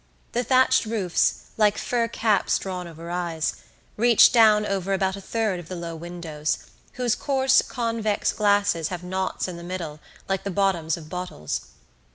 The thatched roofs, like fur caps drawn over eyes, reach down over about a third of the low windows, whose coarse convex glasses have knots in the middle like the bottoms of bottles.